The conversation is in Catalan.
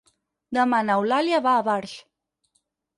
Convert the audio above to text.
Demà n'Eulàlia va a Barx.